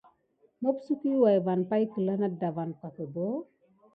Mopsukdi ahiku anaɗa uvon ɗiɗa á naɗa di.